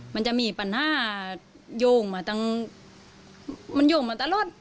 มันจะมีปัญหาโย่งมาตั้งมันโย่งมาตลอด